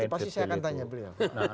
pasti saya akan tanya beliau